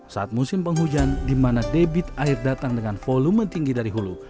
saat musim penghujan di mana debit air datang dengan volume tinggi dari hulu